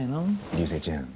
流星ちゃん。